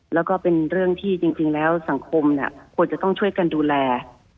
แล้วก็เป็นเรื่องที่จริงแล้วสังคมเนี่ยควรจะต้องช่วยกันดูแล